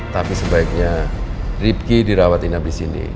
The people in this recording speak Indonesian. tapi sebaiknya rifki dirawatin abis ini